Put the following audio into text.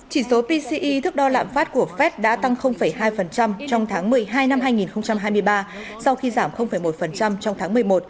chỉ số pce thức đo lạm phát của fed đã tăng hai trong tháng một mươi hai năm hai nghìn hai mươi ba sau khi giảm một trong tháng một mươi một